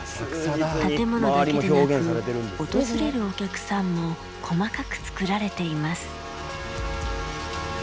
建物だけでなく、訪れるお客さんも細かく作られています。